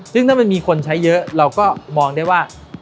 ซึ่งถ้ามันมีคนใช้เยอะเราก็มองได้ว่า